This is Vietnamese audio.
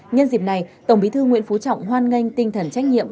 nhân dịp này tổng bí thư nguyễn phú trọng hoan nghênh tinh thần trách nhiệm